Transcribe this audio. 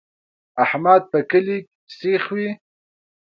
احمد په کلي سیخ وي.